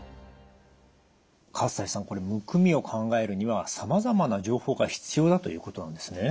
西さんこれむくみを考えるにはさまざまな情報が必要だということなんですね。